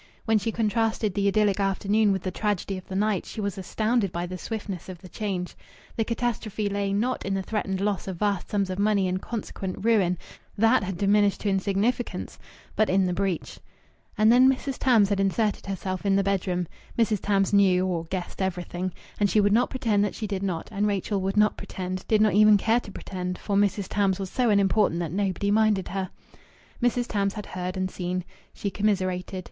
When she contrasted the idyllic afternoon with the tragedy of the night, she was astounded by the swiftness of the change. The catastrophe lay, not in the threatened loss of vast sums of money and consequent ruin that had diminished to insignificance! but in the breach. And then Mrs. Tams had inserted herself in the bedroom. Mrs. Tams knew or guessed everything. And she would not pretend that she did not; and Rachel would not pretend did not even care to pretend, for Mrs. Tams was so unimportant that nobody minded her. Mrs. Tams had heard and seen. She commiserated.